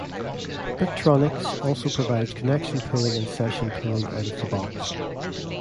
Bitronix also provides connection pooling and session pooling out of the box.